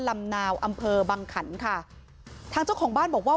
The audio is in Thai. ลำนาวอำเภอบังขันค่ะทางเจ้าของบ้านบอกว่า